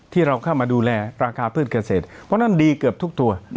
ที่เราเข้ามาดูแลราคาพืชเกษตรเพราะฉะนั้นดีเกือบทุกตัว